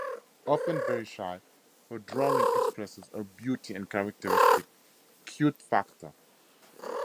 Often very shy, her drawings express her beauty and characteristic "cute" factor.